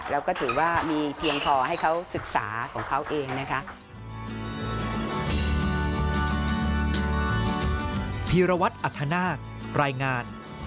แล้วก็ถือว่ามีเพียงพอให้เขาศึกษาของเขาเองนะคะ